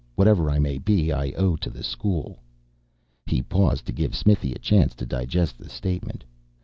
Whatever I may be, I owe to the School." He paused to give Smithy a chance to digest the statement.